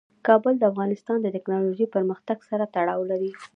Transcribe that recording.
کابل د افغانستان د تکنالوژۍ پرمختګ سره تړاو لري.